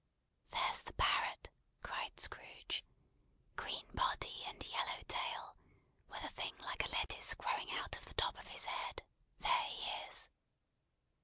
"There's the Parrot!" cried Scrooge. "Green body and yellow tail, with a thing like a lettuce growing out of the top of his head; there he is!